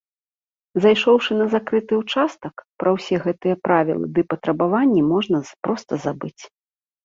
Зайшоўшы на закрыты ўчастак, пра ўсе гэтыя правілы ды патрабаванні можна проста забыць.